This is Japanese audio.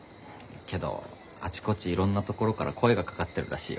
けどあちこちいろんなところから声がかかってるらしいよ。